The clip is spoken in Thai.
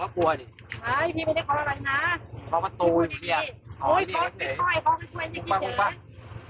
มันมีหรอมันมีหรอมันมีขือกลัวอะไรก่อนอะจ้าวที่จืมจ้าว